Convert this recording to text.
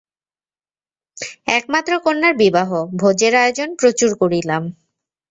একমাত্র কন্যার বিবাহ, ভোজের আয়োজন প্রচুর করিলাম।